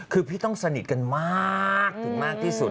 คือพี่ต้องสนิทกันมากถึงมากที่สุด